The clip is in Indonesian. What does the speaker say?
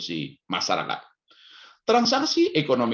berita terkini mengenai perkembangan ekonomi